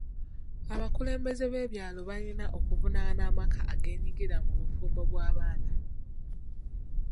Abakulembeze b'ebyalo balina okuvunaana amaka ageenyigira mu bufumbo bw'abaana.